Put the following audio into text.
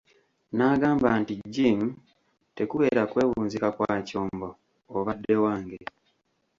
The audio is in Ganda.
N'agamba nti Jim, tekubeera kwewunzika kwa kyombo obadde wange!